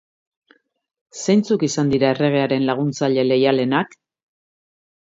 Zeintzuk izan dira erregearen laguntzaile leialenak?